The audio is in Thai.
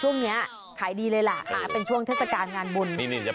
ช่วงนี้ขายดีเลยแหละเป็นช่วงเทศกาลงานบุญ